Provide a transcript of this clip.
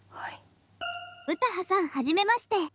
・詩羽さんはじめまして。